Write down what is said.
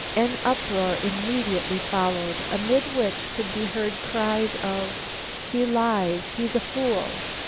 An uproar immediately followed, amid which could be heard cries of "He lies!" "He's a fool!"